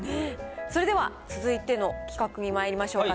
それでは続いての企画にまいりましょうか。